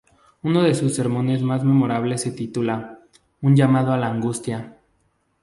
Uno de sus sermones más memorables se titula ""Un llamado a la angustia"".